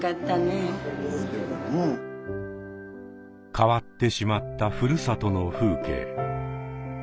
変わってしまった故郷の風景。